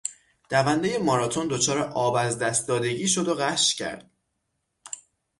دوندهی ماراتن دچار آب از دست دادگی شد و غش کرد.